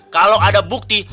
kalau ada bukti